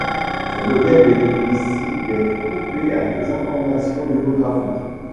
Ces modèles bénéficient d’être couplés à des informations démographiques.